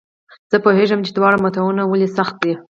زه پوهېږم دواړه متون ولې سخت دي.